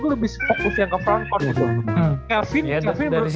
gue lebih fokus yang ke frontcourt gitu